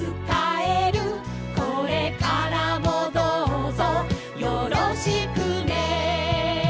「これからもどうぞよろしくね」